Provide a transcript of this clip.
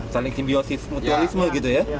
saling simbiosis mutualisme gitu ya